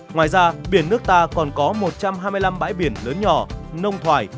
ngoài ra biển nước ta còn có một trăm hai mươi năm bãi biển lớn nhỏ nông thoải